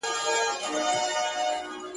زه یې پروانه غوندي پانوس ته پیدا کړی یم،